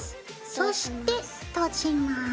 そして閉じます。